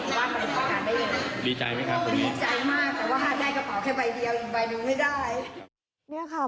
ผมใจเยอะมากแต่ว่าจะได้กระเป๋าที่ไปยังไม่ได้